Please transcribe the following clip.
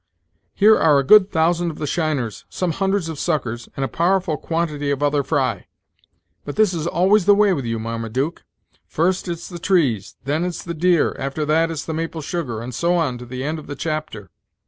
Here are a good thousand of the shiners, some hundreds of suckers, and a powerful quantity of other fry. But this is always the way with you, Marmaduke: first it's the trees, then it's the deer; after that it's the maple sugar, and so on to the end of the chapter.